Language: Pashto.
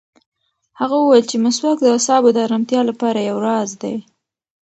هغه وویل چې مسواک د اعصابو د ارامتیا لپاره یو راز دی.